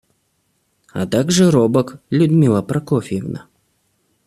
А также робок, Людмила Прокофьевна.